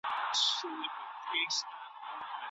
څنګه زموږ هڅي د راتلونکي ژوند لاره روښانه کوي؟